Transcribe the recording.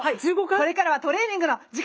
これからはトレーニングの時間。